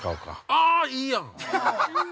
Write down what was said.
ああ、いいやん。